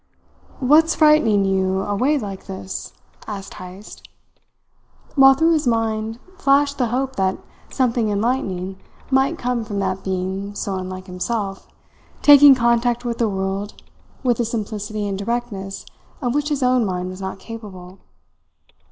"What's frightening you away like this?" asked Heyst, while through his mind flashed the hope that something enlightening might come from that being so unlike himself, taking contact with the world with a simplicity and directness of which his own mind was not capable.